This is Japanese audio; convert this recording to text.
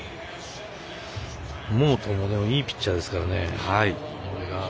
モートンはいいピッチャーですからね。